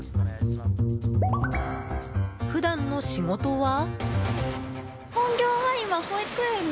普段の仕事は？